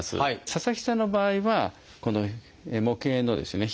佐々木さんの場合はこの模型のですね